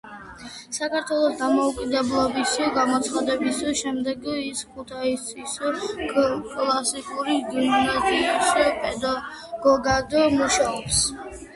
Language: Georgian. საქართველოს დამოუკიდებლობის გამოცხადების შემდეგ ის ქუთაისის კლასიკური გიმნაზიის პედაგოგად მუშაობს.